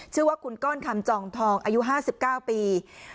ชื่อว่าคุณก้อนคำจองทองอายุห้าสิบเก้าปี